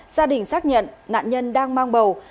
gia đình xác nhận nạn nhân đang mang bầu